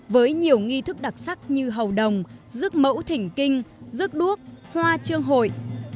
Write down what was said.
với nhiều nghi thức đặc sắc như hầu đồng rước mẫu thỉnh kinh rước đuốc hoa trương hội